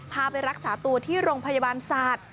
พาไปรักษาตัวที่โรงพยาบาลศาสตร์